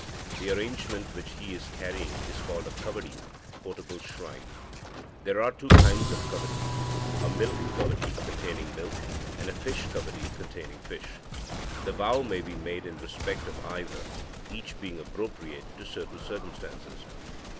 The arrangement which he is carrying is called a kavadi (portable shrine). There are two kinds of kavadi, a milk kavadi containing milk, and a fish kavadi containing fish. The vow may be made in respect of either, each being appropriate to certain circumstances.